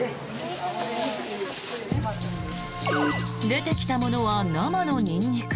出てきたものは生のニンニク。